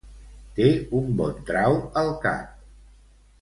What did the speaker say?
Té un bon trau al cap.